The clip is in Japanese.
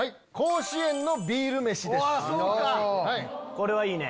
これはいいね。